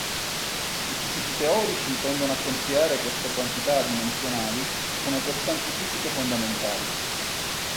I fisici teorici tendono a considerare queste quantità adimensionali come costanti fisiche fondamentali.